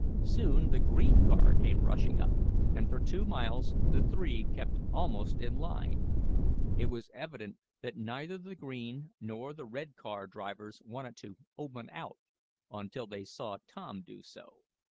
Soon the green car came rushing up, and for two miles the three kept almost in line. It was evident that neither the green nor the red car drivers wanted to "open out," until they saw Tom do so.